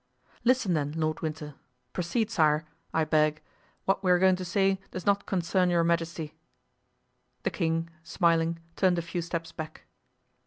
"Listen, then, Lord Winter. Proceed, sire, I beg. What we are going to say does not concern your majesty." The king, smiling, turned a few steps back.